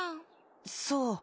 そう。